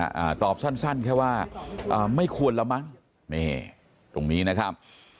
บิ๊กต่อตอบสั้นแค่ว่าไม่ควรละมั้งตรงนี้นะครับ